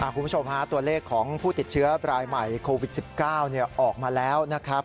คุณผู้ชมฮะตัวเลขของผู้ติดเชื้อรายใหม่โควิด๑๙ออกมาแล้วนะครับ